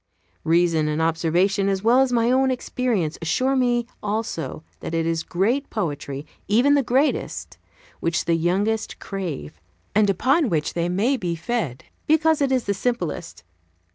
Reason and observation, as well as my own experience, assure me also that it is great poetry even the greatest which the youngest crave, and upon which they may be fed, because it is the simplest.